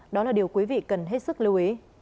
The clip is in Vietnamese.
đó là điều quý vị cần hết sức lưu ý